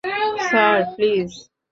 Sir, please.